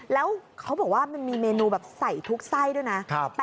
แล้วเขาบอกว่ามันมีเมนูแบบใส่ทุกไส้ด้วยนะ